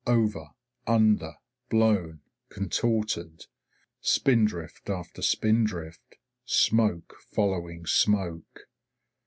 Over, under, blown, contorted. Spindrift after spindrift; smoke following smoke.